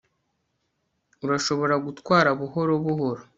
urashobora gutwara buhoro buhoro